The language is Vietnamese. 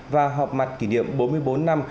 và họp mặt kỷ niệm bốn mươi bốn năm